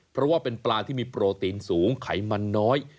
เพราะว่าเป็นปลาที่มีโปรตีนสูงไขมันน้อย